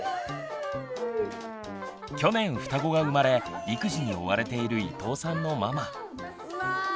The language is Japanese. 去年双子が生まれ育児に追われている伊藤さんのママ。